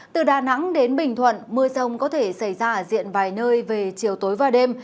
từ đà nẵng đến bình thuận mưa rông có thể xảy ra ở diện vài nơi về chiều tối và đêm